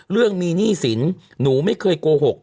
เรื่องมีหนี้สินหนูไม่เคยโกหก